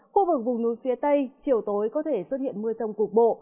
khu vực vùng núi phía tây chiều tối có thể xuất hiện mưa rông cục bộ